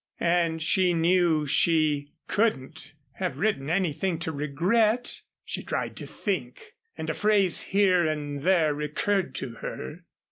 And she knew she couldn't have written anything to regret. She tried to think, and a phrase here and there recurred to her.